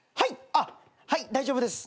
あっはい大丈夫です。